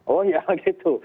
oh ya gitu